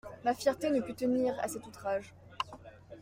Ma fierté ne put tenir à cet outrage.